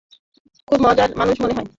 খুব মজার মানুষ মনে হয়।